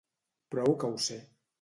Prou que ho sé.